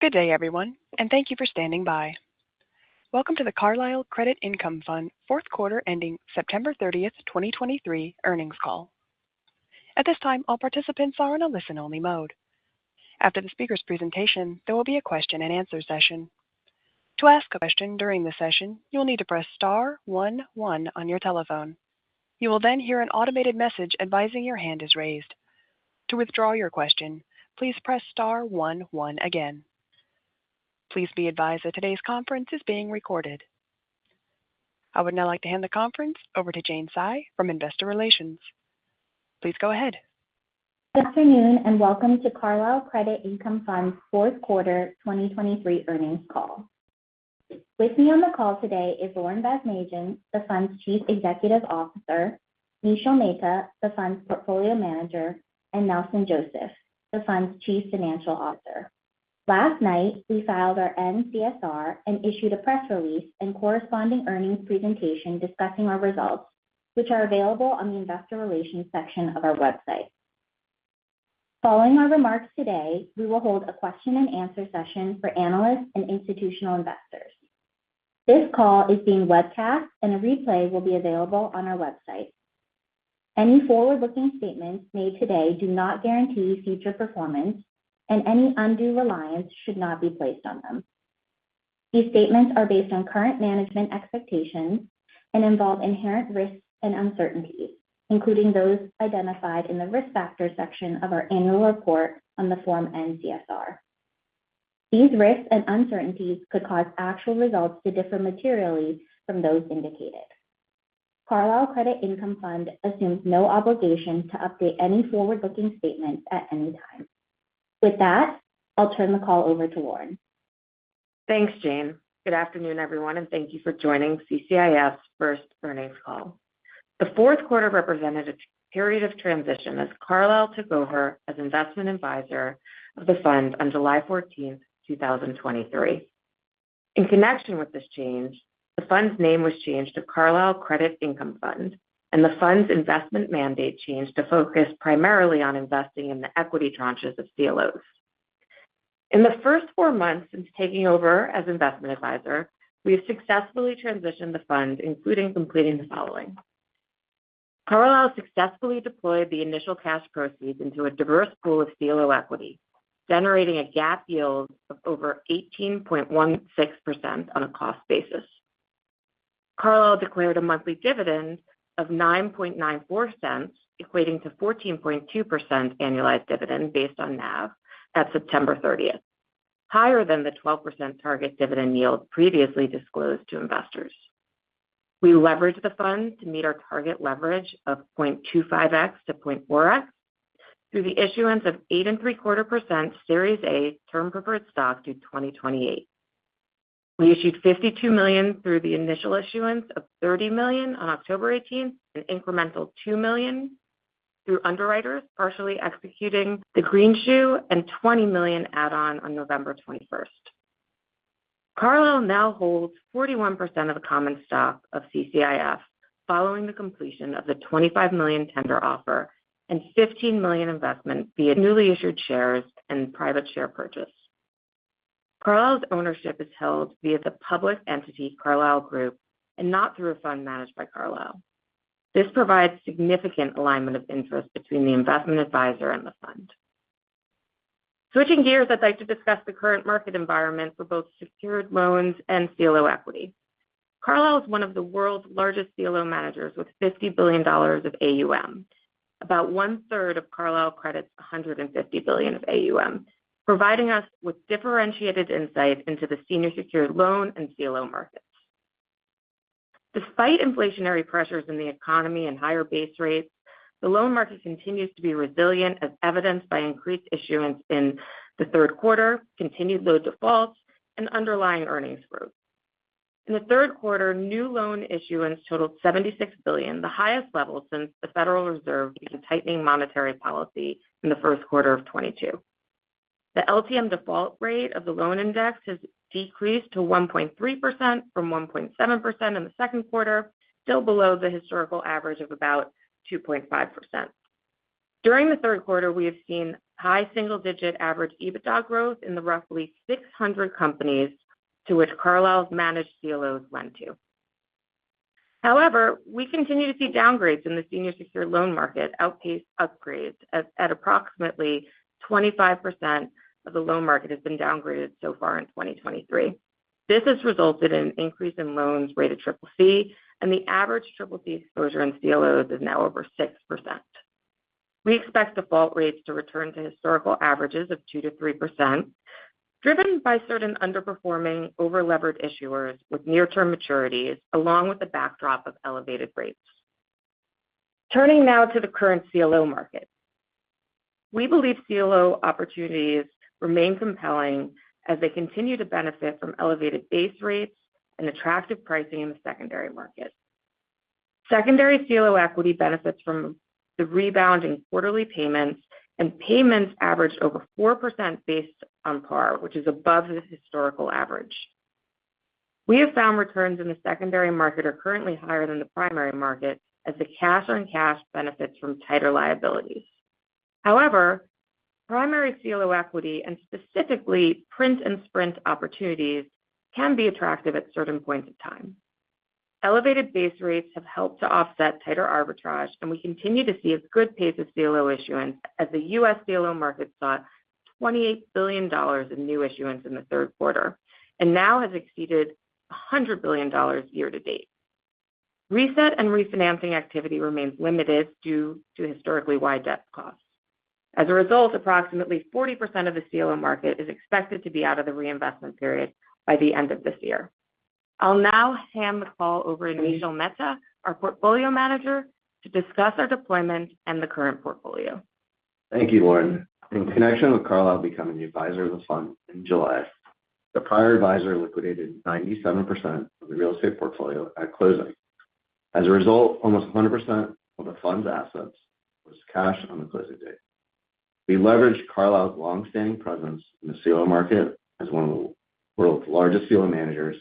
Good day, everyone, and thank you for standing by. Welcome to the Carlyle Credit Income Fund fourth quarter ending 30th September 2023 earnings call. At this time, all participants are in a listen-only mode. After the speaker's presentation, there will be a question-and-answer session. To ask a question during the session, you will need to press star one one on your telephone. You will then hear an automated message advising your hand is raised. To withdraw your question, please press star one one again. Please be advised that today's conference is being recorded. I would now like to hand the conference over to Jane Cai from Investor Relations. Please go ahead. Good afternoon, and welcome to Carlyle Credit Income Fund's fourth quarter 2023 earnings call. With me on the call today is Lauren Basmadjian, the Fund's Chief Executive Officer; Nishil Mehta, the Fund's Portfolio Manager; and Nelson Joseph, the Fund's Chief Financial Officer. Last night, we filed our N-CSR and issued a press release and corresponding earnings presentation discussing our results, which are available on the investor relations section of our website. Following our remarks today, we will hold a question-and-answer session for analysts and institutional investors. This call is being webcast, and a replay will be available on our website. Any forward-looking statements made today do not guarantee future performance, and any undue reliance should not be placed on them. These statements are based on current management expectations and involve inherent risks and uncertainties, including those identified in the Risk Factors section of our annual report on Form N-CSR. These risks and uncertainties could cause actual results to differ materially from those indicated. Carlyle Credit Income Fund assumes no obligation to update any forward-looking statements at any time. With that, I'll turn the call over to Lauren. Thanks, Jane. Good afternoon, everyone, and thank you for joining CCIF's first earnings call. The fourth quarter represented a period of transition as Carlyle took over as investment advisor of the fund on 14th July 2023. In connection with this change, the fund's name was changed to Carlyle Credit Income Fund, and the fund's investment mandate changed to focus primarily on investing in the equity tranches of CLOs. In the first four months since taking over as investment advisor, we have successfully transitioned the fund, including completing the following. Carlyle successfully deployed the initial cash proceeds into a diverse pool of CLO equity, generating a GAAP yield of over 18.16% on a cost basis. Carlyle declared a monthly dividend of $0.0994, equating to 14.2% annualized dividend based on NAV at September 30, higher than the 12% target dividend yield previously disclosed to investors. We leveraged the fund to meet our target leverage of 0.25x-0.4x through the issuance of 8.75% Series A Term Preferred Stock through 2028. We issued $52 million through the initial issuance of $30 million on October 18, an incremental $2 million through underwriters, partially executing the Greenshoe and $20 million add-on on November 21. Carlyle now holds 41% of the common stock of CCIF, following the completion of the $25 million tender offer and $15 million investment via newly issued shares and private share purchase. Carlyle's ownership is held via the public entity, Carlyle Group, and not through a fund managed by Carlyle. This provides significant alignment of interest between the investment advisor and the fund. Switching gears, I'd like to discuss the current market environment for both secured loans and CLO equity. Carlyle is one of the world's largest CLO managers, with $50 billion of AUM, about one-third of Carlyle Credit's $150 billion of AUM, providing us with differentiated insight into the senior secured loan and CLO markets. Despite inflationary pressures in the economy and higher base rates, the loan market continues to be resilient, as evidenced by increased issuance in the third quarter, continued low defaults, and underlying earnings growth. In the third quarter, new loan issuance totaled $76 billion, the highest level since the Federal Reserve began tightening monetary policy in the first quarter of 2022. The LTM default rate of the loan index has decreased to 1.3% from 1.7% in the second quarter, still below the historical average of about 2.5%. During the third quarter, we have seen high single-digit average EBITDA growth in the roughly 600 companies to which Carlyle's managed CLOs lend to. However, we continue to see downgrades in the senior secured loan market outpace upgrades, as at approximately 25% of the loan market has been downgraded so far in 2023. This has resulted in an increase in loans rated CCC, and the average CCC exposure in CLOs is now over 6%. We expect default rates to return to historical averages of 2%-3%, driven by certain underperforming, over-levered issuers with near-term maturities, along with the backdrop of elevated rates. Turning now to the current CLO market. We believe CLO opportunities remain compelling as they continue to benefit from elevated base rates and attractive pricing in the secondary market. Secondary CLO equity benefits from the rebound in quarterly payments, and payments averaged over 4% based on par, which is above the historical average. We have found returns in the secondary market are currently higher than the primary market, as the cash on cash benefits from tighter liabilities. However, primary CLO equity, and specifically Print and Sprint opportunities, can be attractive at certain points in time. Elevated base rates have helped to offset tighter arbitrage, and we continue to see a good pace of CLO issuance as the U.S. CLO market saw $28 billion in new issuance in the third quarter, and now has exceeded $100 billion year to date. Reset and refinancing activity remains limited due to historically wide debt costs. As a result, approximately 40% of the CLO market is expected to be out of the reinvestment period by the end of this year. I'll now hand the call over to Nishil Mehta, our portfolio manager, to discuss our deployment and the current portfolio. Thank you, Lauren. In connection with Carlyle becoming the advisor of the fund in July, the prior advisor liquidated 97% of the real estate portfolio at closing. As a result, almost 100% of the fund's assets was cash on the closing date. We leveraged Carlyle's long-standing presence in the CLO market as one of the world's largest CLO managers,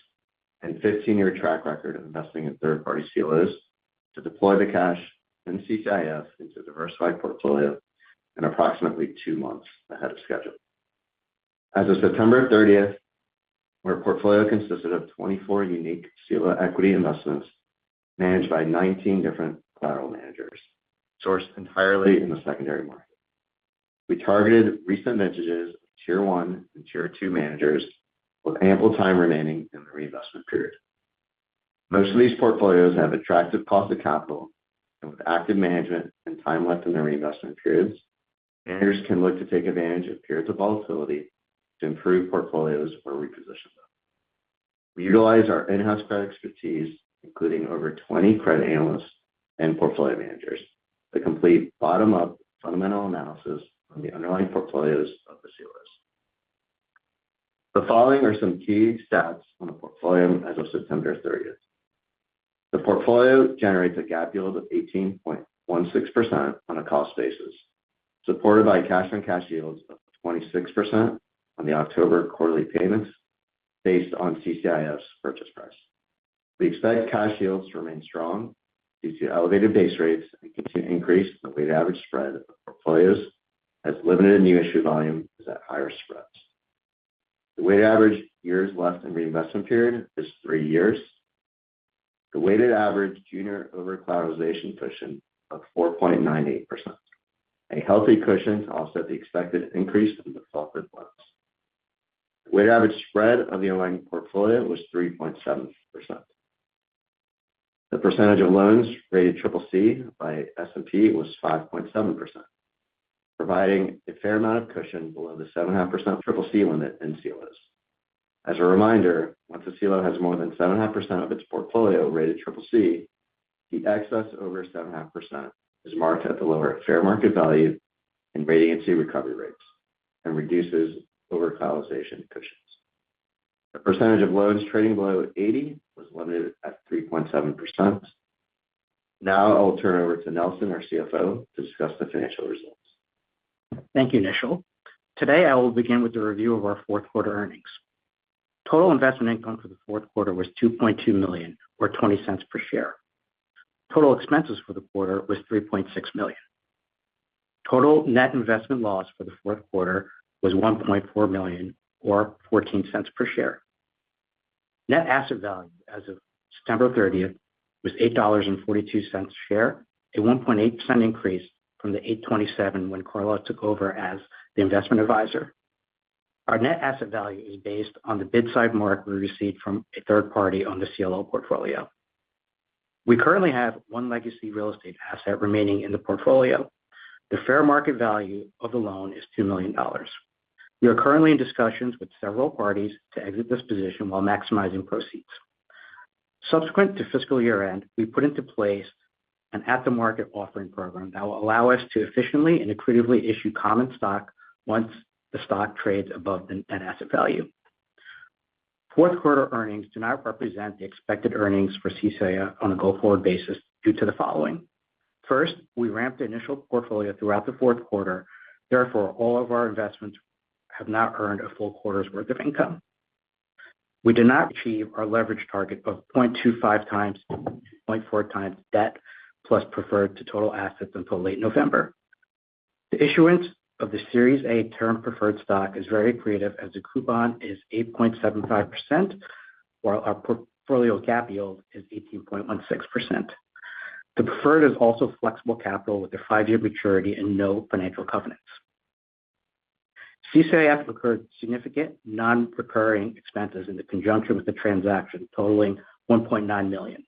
and 15-year track record of investing in third-party CLOs to deploy the cash and CCIF into a diversified portfolio in approximately two months ahead of schedule. As of September thirtieth, our portfolio consisted of 24 unique CLO equity investments managed by 19 different collateral managers, sourced entirely in the secondary market. We targeted recent vintages of tier one and tier two managers with ample time remaining in the reinvestment period. Most of these portfolios have attractive cost of capital, and with active management and time left in their reinvestment periods, managers can look to take advantage of periods of volatility to improve portfolios or reposition them. We utilize our in-house credit expertise, including over 20 credit analysts and portfolio managers, to complete bottom-up fundamental analysis on the underlying portfolios of the CLOs. The following are some key stats on the portfolio as of September 30th. The portfolio generates a GAAP yield of 18.16% on a cost basis, supported by cash-on-cash yields of 26% on the October quarterly payments based on CCIF's purchase price. We expect cash yields to remain strong due to elevated base rates and continue to increase the weighted average spread of the portfolios as limited new issue volume is at higher spreads. The weighted average years left in reinvestment period is three years. The weighted average junior overcollateralization cushion of 4.98%. A healthy cushion to offset the expected increase in default rates. The weighted average spread of the underlying portfolio was 3.7%. The percentage of loans rated CCC by S&P was 5.7%, providing a fair amount of cushion below the 7.5% CCC limit in CLOs. As a reminder, once a CLO has more than 7.5% of its portfolio rated CCC, the excess over 7.5% is marked at the lower fair market value and rating and recovery rates, and reduces overcollateralization cushions. The percentage of loans trading below 80 was limited at 3.7%. Now I will turn it over to Nelson, our CFO, to discuss the financial results. Thank you, Nishil. Today, I will begin with a review of our fourth quarter earnings. Total investment income for the fourth quarter was $2.2 million, or $0.20 per share. Total expenses for the quarter was $3.6 million. Total net investment loss for the fourth quarter was $1.4 million, or $0.14 per share. Net asset value as of September thirtieth was $8.42 a share, a 1.8% increase from the $8.27 when Carlyle took over as the investment advisor. Our net asset value is based on the bid side mark we received from a third party on the CLO portfolio. We currently have one legacy real estate asset remaining in the portfolio. The fair market value of the loan is $2 million. We are currently in discussions with several parties to exit this position while maximizing proceeds. Subsequent to fiscal year-end, we put into place an at-the-market offering program that will allow us to efficiently and accretively issue common stock once the stock trades above the net asset value. Fourth quarter earnings do not represent the expected earnings for CCIF on a go-forward basis due to the following: First, we ramped the initial portfolio throughout the fourth quarter. Therefore, all of our investments have not earned a full quarter's worth of income. We did not achieve our leverage target of 0.25 times, 0.4 times debt plus preferred to total assets until late November. The issuance of the Series A Term Preferred Stock is very accretive, as the coupon is 8.75%, while our portfolio GAAP yield is 18.16%. The preferred is also flexible capital with a five-year maturity and no financial covenants. CCIF incurred significant non-recurring expenses in conjunction with the transaction, totaling $1.9 million.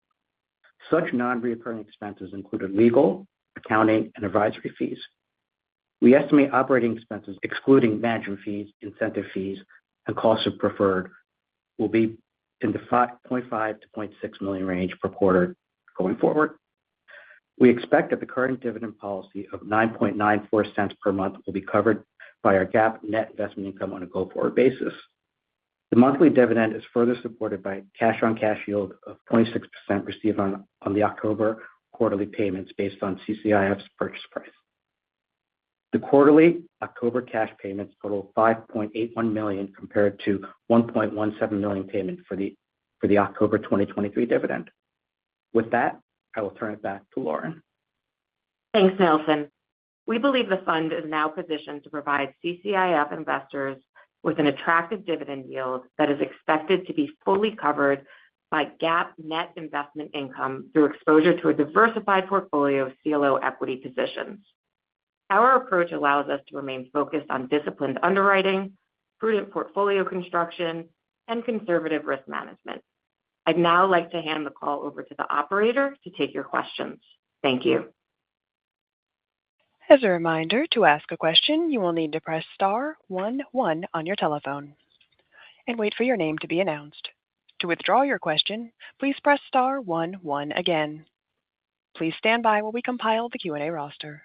Such non-recurring expenses included legal, accounting, and advisory fees. We estimate operating expenses excluding management fees, incentive fees, and costs of preferred will be in the $0.5-$0.6 million range per quarter going forward. We expect that the current dividend policy of $0.0994 per month will be covered by our GAAP net investment income on a go-forward basis. The monthly dividend is further supported by cash-on-cash yield of 26% received on the October quarterly payments based on CCIF's purchase price. The quarterly October cash payments totaled $5.81 million compared to $1.17 million payment for the October 2023 dividend. With that, I will turn it back to Lauren. Thanks, Nelson. We believe the fund is now positioned to provide CCIF investors with an attractive dividend yield that is expected to be fully covered by GAAP net investment income, through exposure to a diversified portfolio of CLO equity positions. Our approach allows us to remain focused on disciplined underwriting, prudent portfolio construction, and conservative risk management. I'd now like to hand the call over to the operator to take your questions. Thank you. As a reminder, to ask a question, you will need to press star one one on your telephone and wait for your name to be announced. To withdraw your question, please press star one one again. Please stand by while we compile the Q&A roster.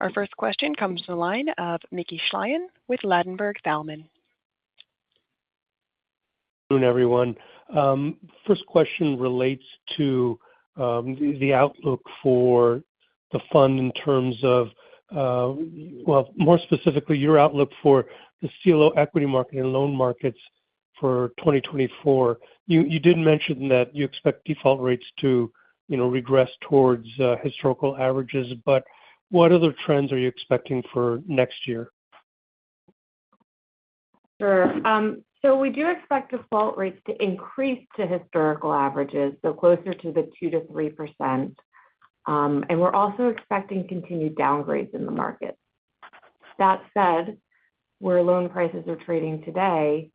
Our first question comes to the line of Mickey Schleien with Ladenburg Thalmann. Good afternoon, everyone. First question relates to the outlook for the fund in terms of, well, more specifically, your outlook for the CLO equity market and loan markets for 2024. You did mention that you expect default rates to, you know, regress towards historical averages, but what other trends are you expecting for next year? Sure. So we do expect default rates to increase to historical averages, so closer to the 2%-3%. And we're also expecting continued downgrades in the market. That said, where loan prices are trading today,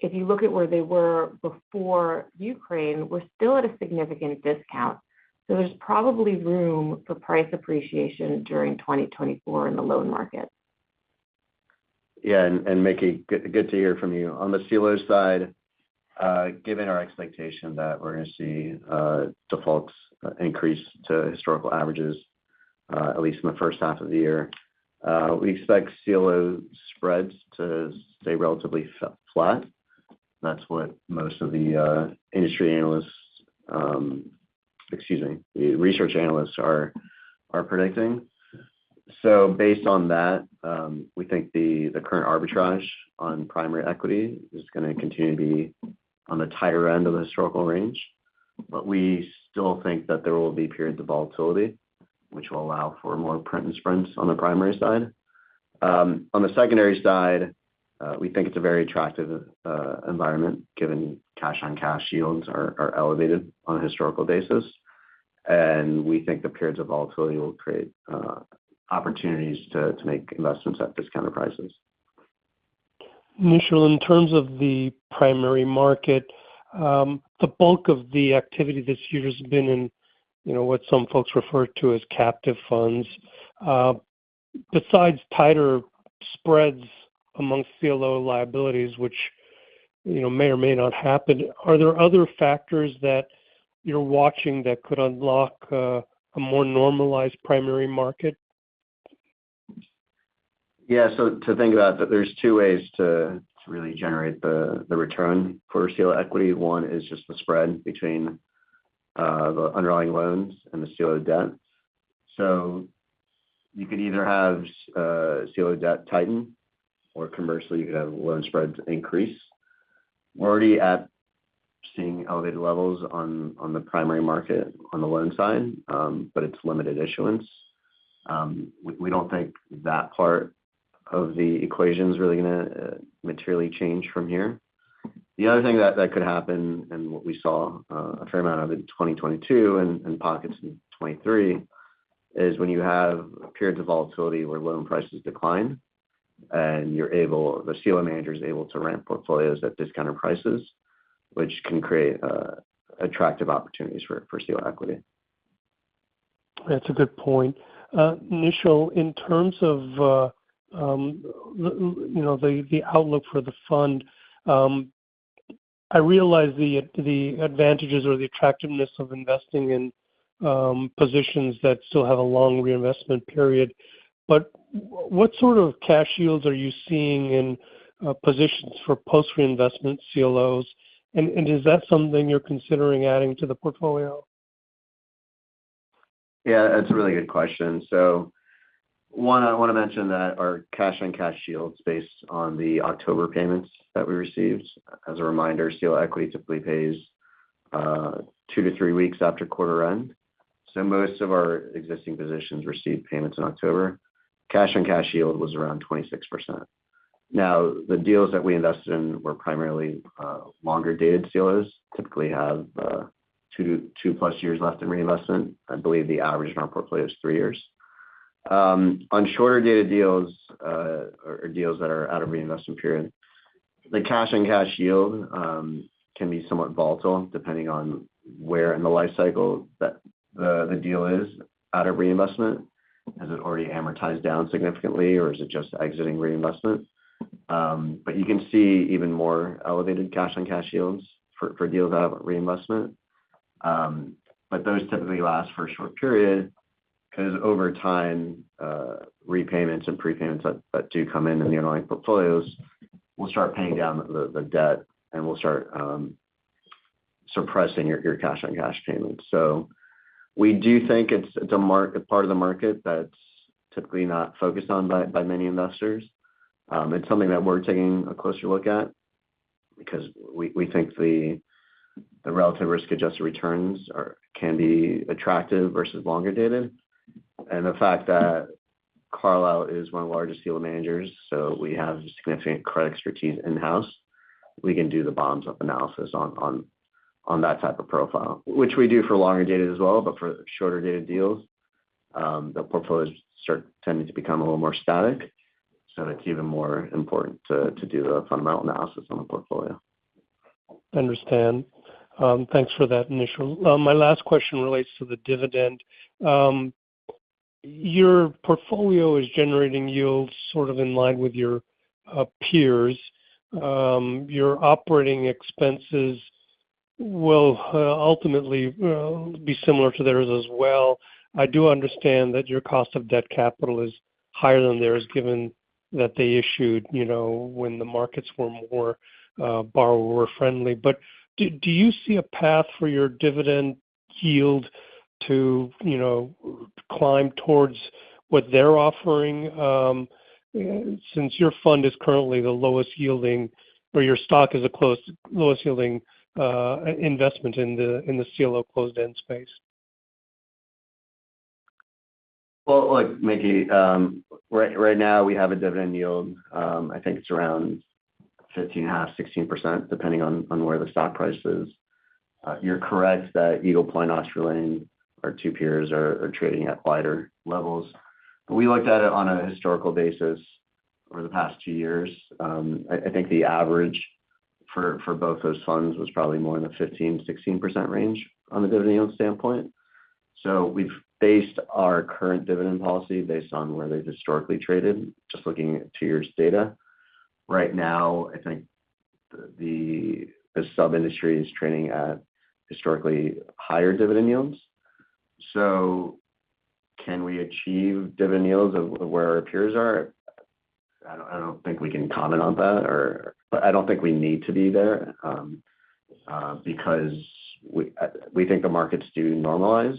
if you look at where they were before Ukraine, we're still at a significant discount, so there's probably room for price appreciation during 2024 in the loan market. Yeah, and Mickey, good to hear from you. On the CLO side, given our expectation that we're going to see defaults increase to historical averages, at least in the first half of the year, we expect CLO spreads to stay relatively flat. That's what most of the industry analysts. Excuse me, the research analysts are predicting. So based on that, we think the current arbitrage on primary equity is going to continue to be on the tighter end of the historical range. But we still think that there will be periods of volatility, which will allow for more print and sprints on the primary side. On the secondary side, we think it's a very attractive environment, given cash-on-cash yields are elevated on a historical basis. We think the periods of volatility will create opportunities to make investments at discounted prices. Nishil, in terms of the primary market, the bulk of the activity this year has been in, you know, what some folks refer to as captive funds. Besides tighter spreads amongst CLO liabilities, which, you know, may or may not happen, are there other factors that you're watching that could unlock a more normalized primary market? Yeah, so to think about that, there's two ways to really generate the return for CLO equity. One is just the spread between the underlying loans and the CLO debt. So you could either have CLO debt tighten, or conversely, you could have loan spreads increase. We're already seeing elevated levels on the primary market on the loan side, but it's limited issuance. We don't think that part of the equation is really going to materially change from here. The other thing that could happen, and what we saw a fair amount of in 2022 and pockets in 2023, is when you have periods of volatility where loan prices decline and you're able—the CLO manager is able to ramp portfolios at discounted prices, which can create attractive opportunities for CLO equity. That's a good point. Nishil, in terms of, you know, the outlook for the fund, I realize the advantages or the attractiveness of investing in positions that still have a long reinvestment period, but what sort of cash yields are you seeing in positions for post reinvestment CLOs? And is that something you're considering adding to the portfolio? Yeah, that's a really good question. So one, I want to mention that our cash-on-cash yields based on the October payments that we received. As a reminder, CLO equity typically pays two-three weeks after quarter end. So most of our existing positions received payments in October. Cash-on-cash yield was around 26%. Now, the deals that we invested in were primarily longer-dated CLOs, typically have two, 2+ years left in reinvestment. I believe the average in our portfolio is three years. On shorter-dated deals or deals that are out of reinvestment period, the cash-on-cash yield can be somewhat volatile, depending on where in the life cycle that the deal is out of reinvestment. Has it already amortized down significantly, or is it just exiting reinvestment? But you can see even more elevated cash-on-cash yields for deals out of reinvestment. But those typically last for a short period.... 'cause over time, repayments and prepayments that do come in, in the underlying portfolios will start paying down the, the debt, and we'll start suppressing your, your cash-on-cash payments. So we do think it's a mark-- a part of the market that's typically not focused on by, by many investors. It's something that we're taking a closer look at because we think the relative risk-adjusted returns are-- can be attractive versus longer dated. And the fact that Carlyle is one of the largest CLO managers, so we have significant credit expertise in-house. We can do the bottoms-up analysis on that type of profile, which we do for longer dated as well, but for shorter dated deals, the portfolios start tending to become a little more static, so it's even more important to do a fundamental analysis on the portfolio. Understand. Thanks for that, Nishil. My last question relates to the dividend. Your portfolio is generating yields sort of in line with your peers. Your operating expenses will ultimately be similar to theirs as well. I do understand that your cost of debt capital is higher than theirs, given that they issued, you know, when the markets were more borrower-friendly. But do you see a path for your dividend yield to, you know, climb towards what they're offering? Since your fund is currently the lowest yielding or your stock is a close, lowest yielding investment in the CLO closed-end space. Well, look, Mickey, right, right now, we have a dividend yield, I think it's around 15.5%-16%, depending on, on where the stock price is. You're correct that Eagle Point, [Australane], our two peers, are, are trading at wider levels. We looked at it on a historical basis over the past two years. I, I think the average for, for both those funds was probably more in the 15%-16% range on a dividend yield standpoint. So we've based our current dividend policy based on where they've historically traded, just looking at two years data. Right now, I think the, the sub-industry is trading at historically higher dividend yields. So can we achieve dividend yields of where our peers are? I don't, I don't think we can comment on that, or but I don't think we need to be there, because we, we think the markets do normalize.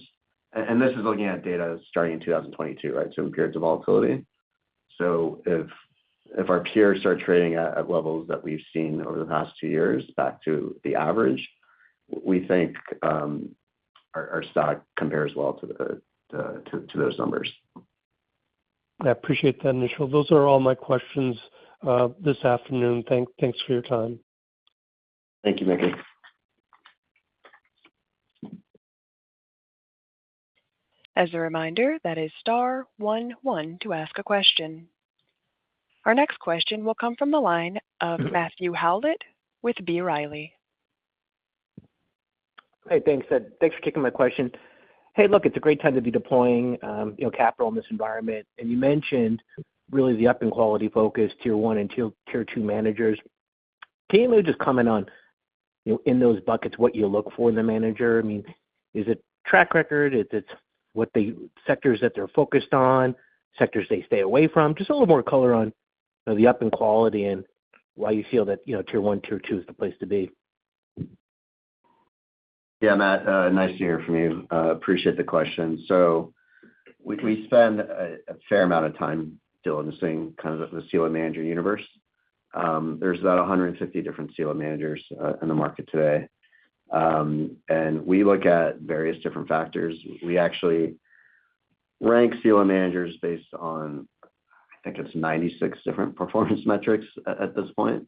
And this is looking at data starting in 2022, right? So in periods of volatility. So if, if our peers start trading at, at levels that we've seen over the past two years, back to the average, we think, our, our stock compares well to the, the, to, to those numbers. I appreciate that, Nishil. Those are all my questions this afternoon. Thanks for your time. Thank you, Mickey. As a reminder, that is star one one to ask a question. Our next question will come from the line of Matthew Howlett with B. Riley. Hey, thanks. Thanks for kicking my question. Hey, look, it's a great time to be deploying, you know, capital in this environment, and you mentioned really the up in quality focus, tier one and tier, tier two managers. Can you just comment on, you know, in those buckets, what you look for in the manager? I mean, is it track record? Is it what the sectors that they're focused on, sectors they stay away from? Just a little more color on, you know, the up in quality and why you feel that, you know, tier one, tier two is the place to be. Yeah, Matt, nice to hear from you. Appreciate the question. So we spend a fair amount of time dealing with this thing, kind of the CLO manager universe. There's about 150 different CLO managers in the market today. And we look at various different factors. We actually rank CLO managers based on, I think it's 96 different performance metrics at this point.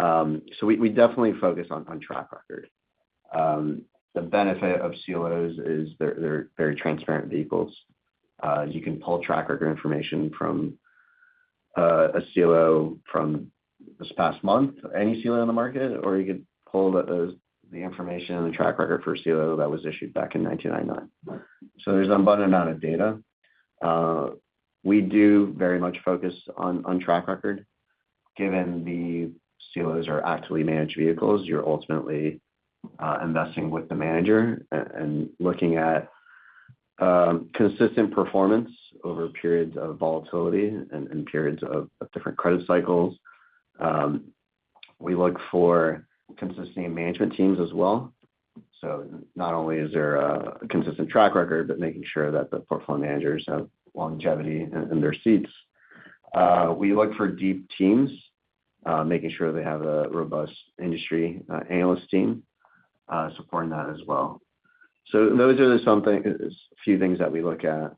So we definitely focus on track record. The benefit of CLOs is they're very transparent vehicles. You can pull track record information from a CLO from this past month, any CLO on the market, or you could pull the information on the track record for a CLO that was issued back in 1999. So there's an abundant amount of data. We do very much focus on track record, given the CLOs are actively managed vehicles, you're ultimately investing with the manager and looking at consistent performance over periods of volatility and periods of different credit cycles. We look for consistent management teams as well. So not only is there a consistent track record, but making sure that the portfolio managers have longevity in their seats. We look for deep teams, making sure they have a robust industry analyst team supporting that as well. So those are some things, a few things that we look at,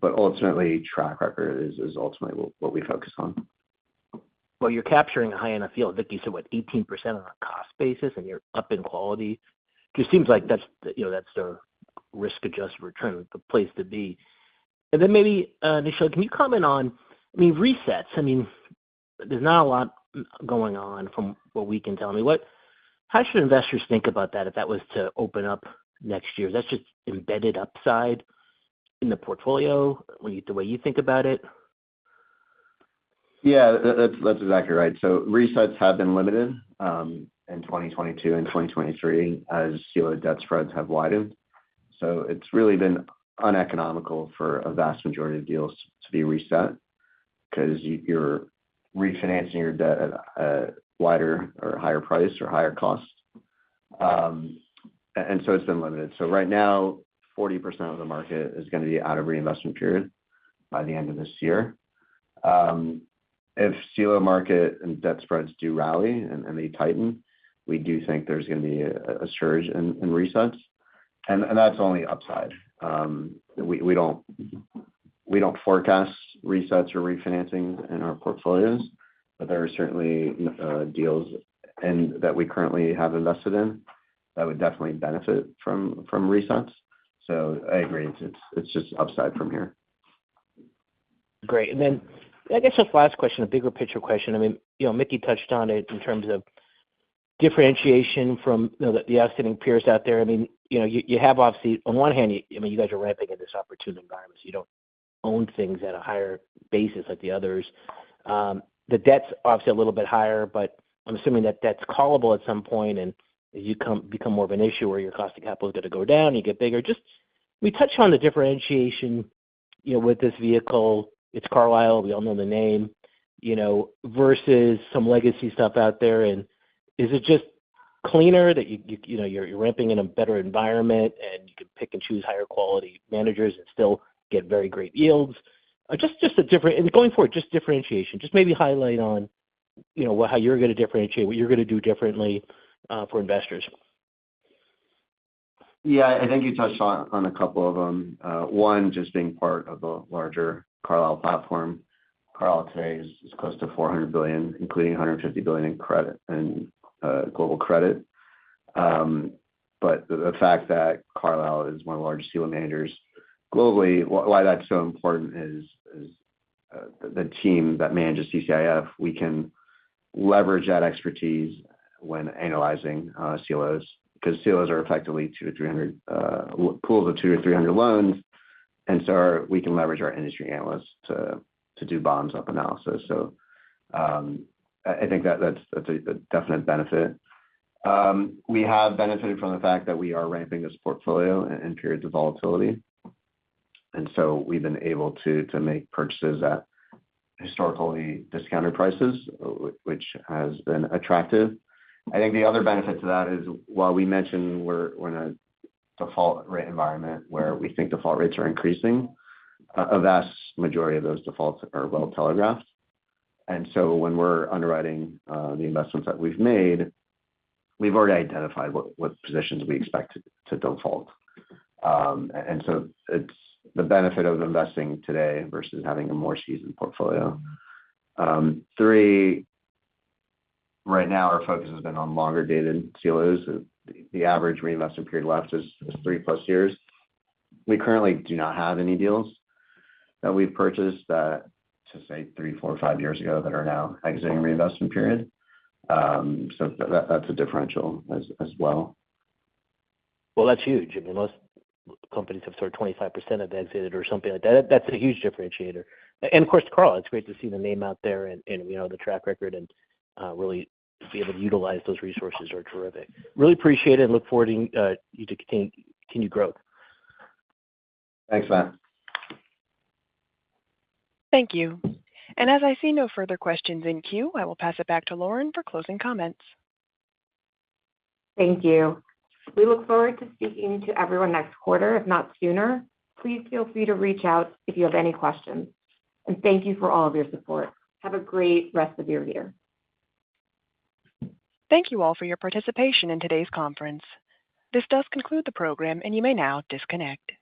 but ultimately, track record is ultimately what we focus on. Well, you're capturing a high-end feel. Like you said, what, 18% on a cost basis, and you're up in quality. Just seems like that's the you know, that's the risk-adjusted return, the place to be. And then maybe, Nishil, can you comment on, I mean, resets. I mean, there's not a lot going on from what we can tell me. What - How should investors think about that if that was to open up next year? That's just embedded upside in the portfolio, the way you think about it?... Yeah, that's exactly right. So resets have been limited in 2022 and 2023 as CLO debt spreads have widened. So it's really been uneconomical for a vast majority of deals to be reset, 'cause you're refinancing your debt at a wider or higher price or higher cost. So it's been limited. So right now, 40% of the market is gonna be out of reinvestment period by the end of this year. If CLO market and debt spreads do rally and they tighten, we do think there's gonna be a surge in resets, and that's only upside. We don't forecast resets or refinancing in our portfolios, but there are certainly deals that we currently have invested in that would definitely benefit from resets. So I agree. It's just upside from here. Great. And then I guess just last question, a bigger picture question. I mean, you know, Mickey touched on it in terms of differentiation from, you know, the outstanding peers out there. I mean, you know, you have obviously, on one hand, you, I mean, you guys are ramping in this opportune environment, so you don't own things at a higher basis like the others. The debt's obviously a little bit higher, but I'm assuming that debt's callable at some point, and as you become more of an issuer where your cost of capital is gonna go down, you get bigger. Just touch on the differentiation, you know, with this vehicle. It's Carlyle, we all know the name, you know, versus some legacy stuff out there. Is it just cleaner that you know, you're ramping in a better environment, and you can pick and choose higher quality managers and still get very great yields? Just a different, and going forward, just differentiation. Just maybe highlight on, you know, what, how you're gonna differentiate, what you're gonna do differently, for investors. Yeah. I think you touched on, on a couple of them. One, just being part of a larger Carlyle platform. Carlyle today is close to $400 billion, including $150 billion in credit and global credit. But the fact that Carlyle is one of the largest CLO managers globally, why that's so important is the team that manages CCIF. We can leverage that expertise when analyzing CLOs, because CLOs are effectively 200-300 pools of 200-300 loans, and so we can leverage our industry analysts to do bottoms-up analysis. So, I think that's a definite benefit. We have benefited from the fact that we are ramping this portfolio in periods of volatility, and so we've been able to make purchases at historically discounted prices, which has been attractive. I think the other benefit to that is, while we mentioned we're in a default rate environment where we think default rates are increasing, a vast majority of those defaults are well telegraphed. And so when we're underwriting the investments that we've made, we've already identified what positions we expect to default. And so it's the benefit of investing today versus having a more seasoned portfolio. Three, right now our focus has been on longer-dated CLOs. The average reinvestment period left is 3+ years. We currently do not have any deals that we've purchased that, just say three, four, five years ago, that are now exiting reinvestment period. So that's a differential as well. Well, that's huge. I mean, most companies have sort of 25% of exited or something like that. That's a huge differentiator. And of course, Carlyle, it's great to see the name out there and, you know, the track record and really be able to utilize those resources are terrific. Really appreciate it, and look forward to you to continue growth. Thanks, Matt. Thank you. As I see no further questions in queue, I will pass it back to Lauren for closing comments. Thank you. We look forward to speaking to everyone next quarter, if not sooner. Please feel free to reach out if you have any questions. Thank you for all of your support. Have a great rest of your year. Thank you all for your participation in today's conference. This does conclude the program, and you may now disconnect.